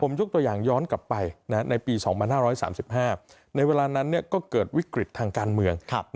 ผมยกตัวอย่างย้อนกลับไปนะฮะในปีสองพันห้าร้อยสามสิบห้าในเวลานั้นเนี่ยก็เกิดวิกฤตทางการเมืองครับ